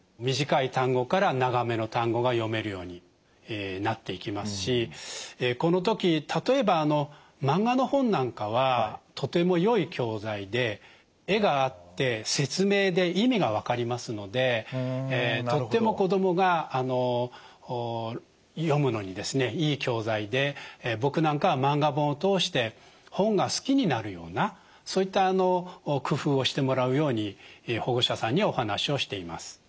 短い単語から長めの単語が読めるようになっていきますしこの時例えばマンガの本なんかはとてもよい教材で絵があって説明で意味が分かりますのでとっても子どもが読むのにいい教材で僕なんかはマンガ本を通して本が好きになるようなそういった工夫をしてもらうように保護者さんにはお話をしています。